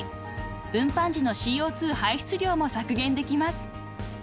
［運搬時のＣＯ２排出量も削減できます］